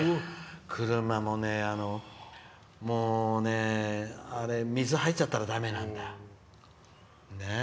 車もね、水が入っちゃったらだめなんだよ。